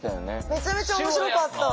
めちゃめちゃ面白かった。